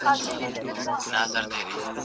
غنمو اوړه نان جوړوي.